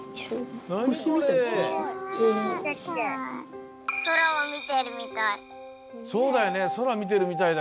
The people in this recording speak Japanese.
そらを見ているみたい。